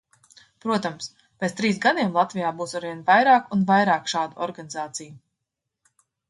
Protams, pēc trim gadiem Latvijā būs arvien vairāk un vairāk šādu organizāciju.